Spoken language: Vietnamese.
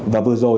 và vừa rồi